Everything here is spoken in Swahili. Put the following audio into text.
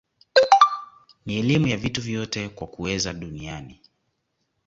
na elimu ya vitu vyote kwa kuweza duniani